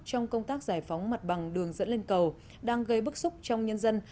trong công tác giải phóng mặt bằng đường dẫn lên cầu đang gây bức xúc trong nhân dân